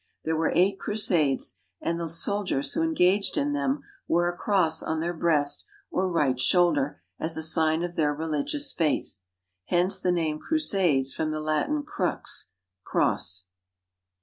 There were eight Crusades, and the soldiers who engaged in them wore a cross on their breast or right shoulder as a sign of their religious faith. Hence the name Crusades from the Latin crux, cross.